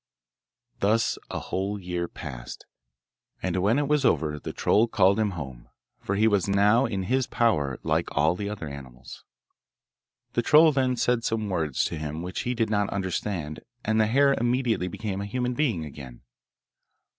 Thus a whole year passed, and when it was over the troll called him home, for he was now in his power like all the other animals. The troll then said some words to him which he did not understand, and the hare immediately became a human being again.